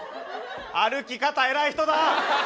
歩き方偉い人だ！